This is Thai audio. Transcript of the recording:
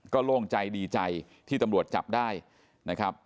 ก็โล่งใจดีใจที่ตำรวจจับได้นะครับ